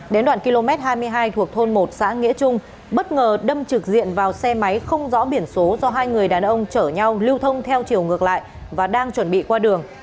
đến đoạn km hai mươi hai thuộc thôn một xã nghĩa trung bất ngờ đâm trực diện vào xe máy không rõ biển số do hai người đàn ông chở nhau lưu thông theo chiều ngược lại và đang chuẩn bị qua đường